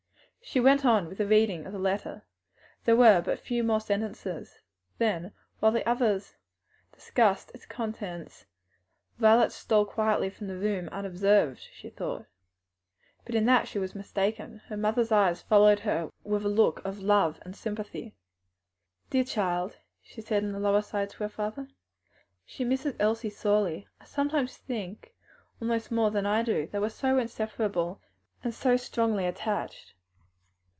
She went on with the reading of the letter; there were but a few more sentences; then, while the others discussed its contents, Violet stole quietly from the room, unobserved as she thought. But in that she was mistaken. Her mother's eyes followed her with a look of love and sympathy. "Dear child!" she said in a low aside to her father, "she misses Elsie sorely; I sometimes think almost more than I do, they were so inseparable and so strongly attached."